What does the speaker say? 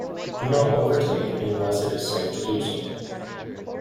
Do not overtake unless it is safe to do so.